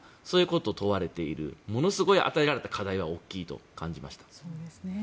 そういうことを問われているものすごい与えられた課題は大きいと感じました。